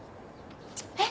えっ？